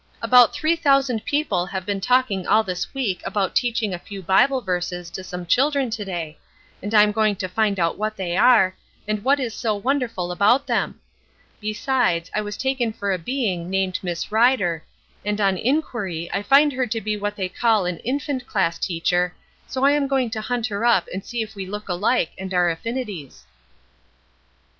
"About three thousand people have been talking all this week about teaching a few Bible verses to some children to day, and I am going to find out what they are, and what is so wonderful about them. Besides, I was taken for a being named Miss Rider, and on inquiry I find her to be what they call an infant class teacher, so I am going to hunt her up and see if we look alike and are affinities."